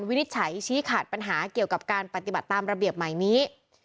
วินิจฉัยชี้ขาดปัญหาเกี่ยวกับการปฏิบัติตามระเบียบใหม่นี้